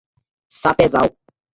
Sapezal